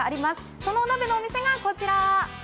その鍋のお店がこちら。